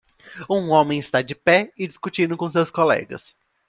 Um homem está de pé e discutindo com seus colegas